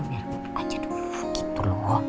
ya aja dulu gitu loh